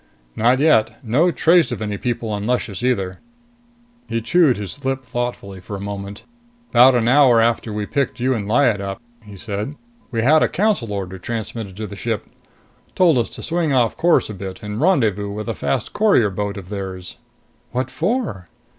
"Not yet. No trace of any people on Luscious either." He chewed his lip thoughtfully for a moment. "About an hour after we picked you and Lyad up," he said, "we had a Council Order transmitted to the ship. Told us to swing off course a bit and rendezvous with a fast courier boat of theirs." "What for?"